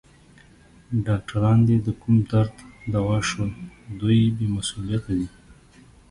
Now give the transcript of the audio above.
ډاکټران دي د کوم درد دوا شول؟ دوی بې مسؤلیته دي.